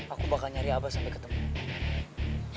aku bakal nyari abah sampai ketemu